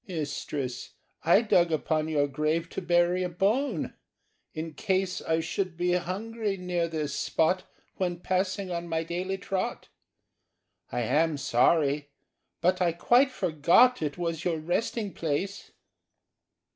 "Mistress, I dug upon your grave To bury a bone, in case I should be hungry near this spot When passing on my daily trot. I am sorry, but I quite forgot It was your resting place."